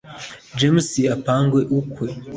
James apange ukwe